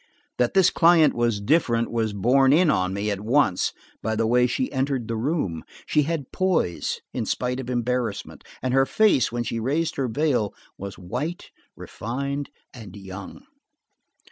That this client was different was borne in on me at once by the way she entered the room. She had poise in spite of embarrassment, and her face when she raised her veil was white, refined, and young.